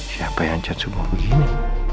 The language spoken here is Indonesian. siapa yang ajat semua begini